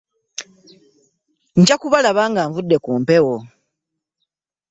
Nja kubalaba nga nvudde ku mpewo.